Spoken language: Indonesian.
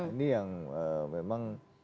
ini yang memang